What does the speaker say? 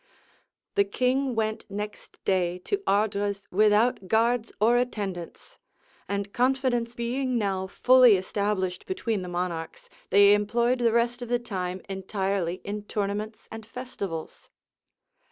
[*] The king went next day to Ardres without guards or attendants; and confidence being now fully established between the monarchs, they employed the rest of the time entirely in tournaments and festivals.